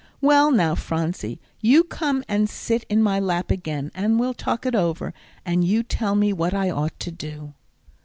"Well, now, Phronsie, you come and sit in my lap again, and we'll talk it over, and you tell me what I ought to do."